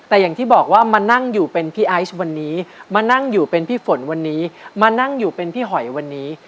แต่อย่างที่บอกว่ามานั่งอยู่เป็นพี่ไอซ์วันนี้มานั่งอยู่เป็นพี่ฝนวันนี้มานั่งอยู่เป็นพี่หอยวันนี้